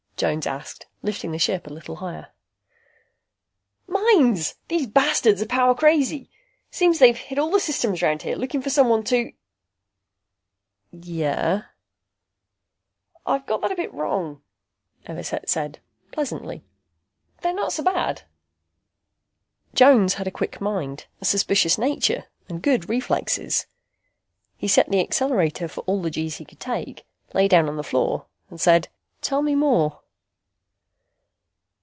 Jones asked, lifting the ship a little higher. "Minds! These bastards are power crazy. Seems they've hit all the systems around here, looking for someone to " "Yeh?" "I've got that a bit wrong," Everset said pleasantly. "They are not so bad." Jones had a quick mind, a suspicious nature and good reflexes. He set the accelerator for all the G's he could take, lay down on the floor and said, "Tell me more."